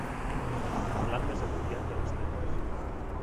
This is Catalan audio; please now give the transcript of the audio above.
L'han desapropiat de les terres.